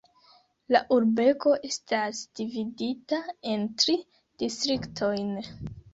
La urbego estas dividita en tri distriktojn.